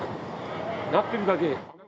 鳴ってるだけ。